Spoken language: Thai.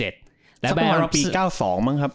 ประมาณปี๙๒มั้งครับ